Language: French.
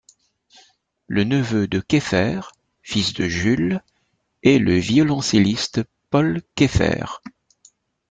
Le neveux de Kéfer — fils de Jules — est le violoncelliste Paul Кéfer.